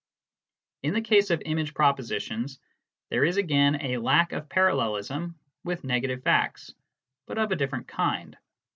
In the case of image propositions, there is again a lack of parallelism with negative facts, but of a different kind.